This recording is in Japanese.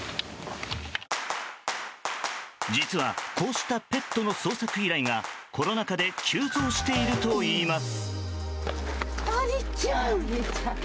実はこうしたペットの捜索依頼がコロナ禍で急増しているといいます。